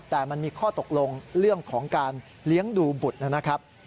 แต่มันมีข้อตกลงเรื่องของการเลี้ยงดูบุตรนะครับ